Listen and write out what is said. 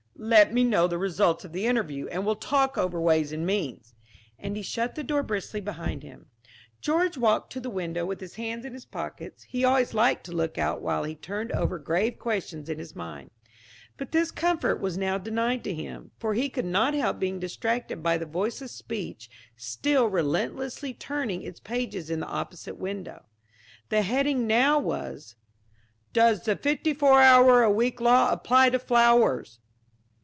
"Let me know the result of the interview, and we'll talk over ways and means." And he shut the door briskly behind him. George walked to the window, with his hands in his pockets. He always liked to look out while he turned over grave questions in his mind; but this comfort was now denied to him, for he could not help being distracted by the voiceless speech still relentlessly turning its pages in the opposite window. The heading now was: DOES THE FIFTY FOUR HOUR A WEEK LAW APPLY TO FLOWERS?